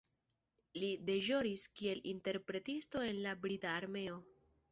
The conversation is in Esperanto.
Li deĵoris kiel interpretisto en la brita armeo.